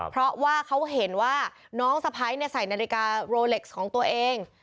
เพราะว่าเขาเห็นว่าน้องสะพ้ายใส่นาฬิกาโรเล็กซ์ของตัวเอง